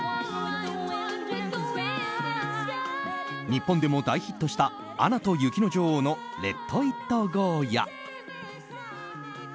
日本でも大ヒットした「アナと雪の女王」の「ＬｅｔＩｔＧｏ」や。